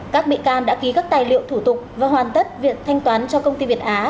các bị can đã ký các tài liệu thủ tục và hoàn tất việc thanh toán cho công ty việt á